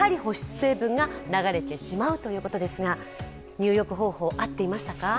入浴方法、合っていましたか？